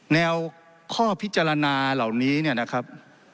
แนวข้อพิจารณาเหล่านี้เนี่ยนะครับ